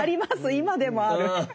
今でもある。